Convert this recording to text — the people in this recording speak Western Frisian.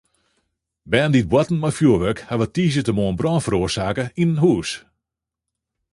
Bern dy't boarten mei fjoerwurk hawwe tiisdeitemoarn brân feroarsake yn in hús.